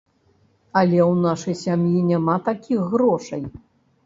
Але ў нашай сям'і няма такіх грошай.